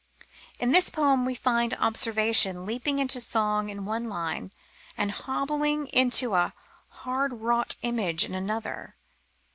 In this poem we find observation leaping into song in one line and hobbling into a hard wrought image in another.